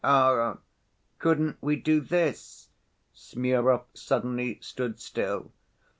"Ah! couldn't we do this?" Smurov suddenly stood still.